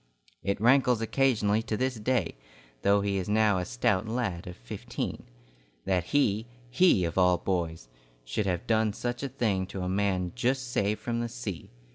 It rankles occasionally to this day, though he is now a stout lad of fifteen. That he, he of all boys, should have done such a thing to a man just saved from the sea!